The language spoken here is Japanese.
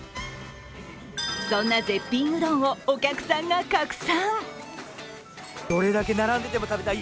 そんな絶品うどんをお客さんが拡散。